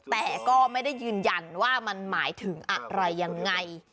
แต่ก็ไม่ได้ยืนยันว่ามันหมายถึงอะไรยังไง